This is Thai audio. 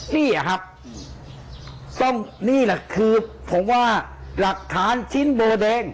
นี่อะครับนี่แหละคือผมว่าหลักฐานชิ้นเบอร์เด้ง